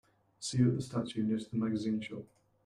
See you at the statue near to the magazine shop.